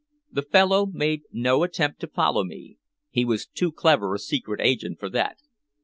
The fellow made no attempt to follow me he was too clever a secret agent for that.